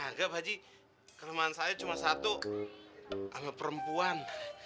agak pak ji kelemahan saya cuma satu sama perempuan